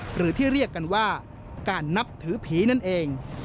หรือที่เรียกกันว่าการนับถือผีนั่นเอง